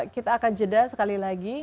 kita akan jeda sekali lagi